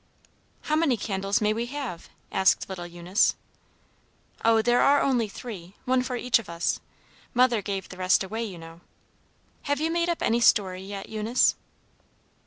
"How many candles may we have?" asked little Eunice. "Oh, there are only three, one for each of us. Mother gave the rest away, you know. Have you made up any story yet, Eunice?"